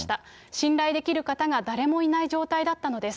信頼できる方が誰もいない状態だったのです。